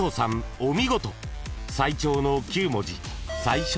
お見事！］